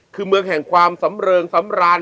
คือเมืองแห่งความสำเริงสำราญ